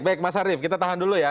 baik mas arief kita tahan dulu ya